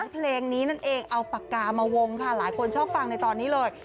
เพลงนี้นั่นเองเอาปากกามาวงค่ะหลายคนชอบฟังในตอนนี้เลย